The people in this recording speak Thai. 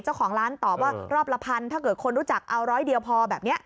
เจ้าของร้านตอบว่ารอบละพันถ้าเกิดคนรู้จักเอาร้อยเดียวพอแบบนี้